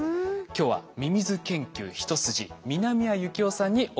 今日はミミズ研究一筋南谷幸雄さんにお越し頂きました。